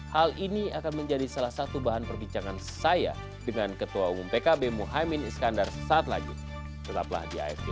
hal ini akan menjadi salah satu bahan perbincangan saya dengan ketua umum pkb mohaimin iskandar saat lagi tetaplah di afc